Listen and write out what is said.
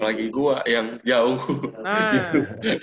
lagi gua yang jauh gitu